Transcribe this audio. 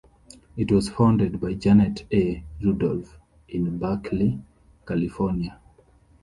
It was founded by Janet A. Rudolph in Berkeley, California.